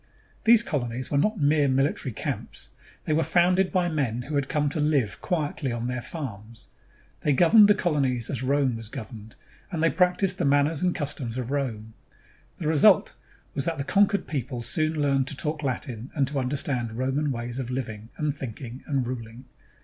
These colonies were not mere military camps; they were 331 ROME founded by men who had come to live quietly on their farms. They governed the colonies as Rome was gov erned, and they pmcticed the manners and customs of Rome. The result was that the conquered people soon learned to talk Latin and to understand Roman ways of living and thinking and ruling.